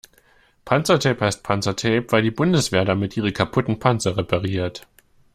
Panzertape heißt Panzertape, weil die Bundeswehr damit ihre kaputten Panzer repariert.